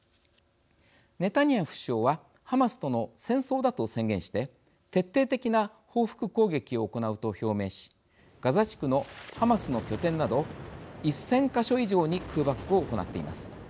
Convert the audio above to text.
ネタニヤフ首相はハマスとの戦争だと宣言して徹底的な報復攻撃を行うと表明しガザ地区のハマスの拠点など１０００か所以上に空爆を行っています。